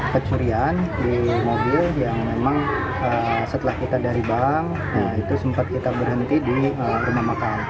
kecurian di mobil yang memang setelah kita dari bank itu sempat kita berhenti di rumah makan